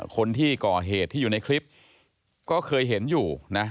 คนที่ก่อเหตุที่อยู่ในคลิปก็เคยเห็นอยู่นะ